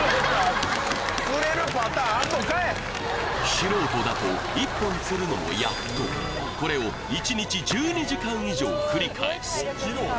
素人だと一本釣るのもやっとこれを１日１２時間以上繰り返す